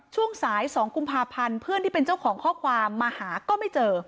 ช่วงสาย๒กุมภาพันธ์เพื่อนที่เป็นเจ้าของข้อความมาหาก็ไม่เจอ